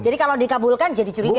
jadi kalau dikabulkan jadi curiga